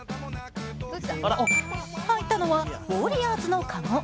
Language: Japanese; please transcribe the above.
入ったのはウォリアーズのかご。